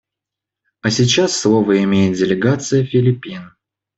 А сейчас слово имеет делегация Филиппин.